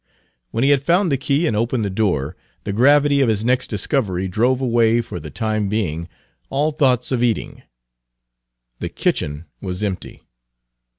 When he had found the key and opened the door, the gravity of his next discovery drove away for the time being all thoughts of eating. The kitchen was empty.